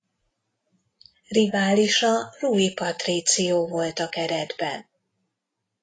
Riválisa Rui Patrício volt a keretben.